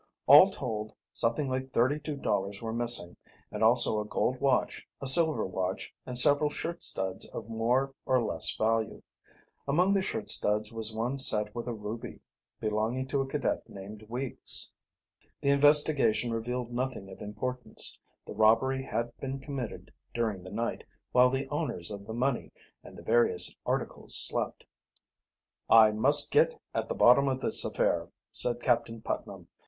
All told, something like thirty two dollars were missing, and also a gold watch, a silver watch, and several shirt studs of more or less value. Among the shirt studs was one set with a ruby belonging to a cadet named Weeks. The investigation revealed nothing of importance. The robbery had been committed during the night, while the owners of the money and the various articles slept. "I must get at the bottom of this affair," said Captain Putnam.